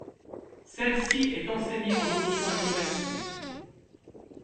Celle-ci est enseignée en option à l'université.